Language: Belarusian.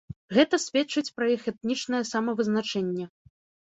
Гэта сведчыць пра іх этнічнае самавызначэнне.